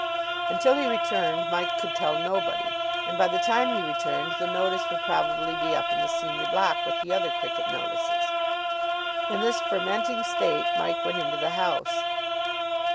Until he returned, Mike could tell nobody. And by the time he returned the notice would probably be up in the Senior Block with the other cricket notices. In this fermenting state Mike went into the house.